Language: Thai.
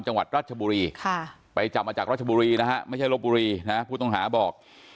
จังหวัดราชบุรีไปจับมาจากรัชบุรีนะฮะไม่ใช่ลบบุรีนะผู้ต้องหาบอก